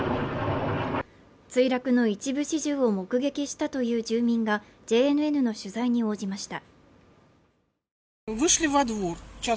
墜落の一部始終を目撃したという住民がＪＮＮの取材に応じました